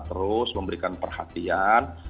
terus memberikan perhatian